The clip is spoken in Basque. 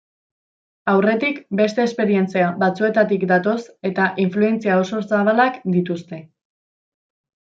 Aurretik beste esperientzia batzuetatik datoz eta influentzia oso zabalak dituzte.